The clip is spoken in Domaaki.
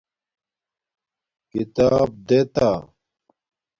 کتاپ دیتا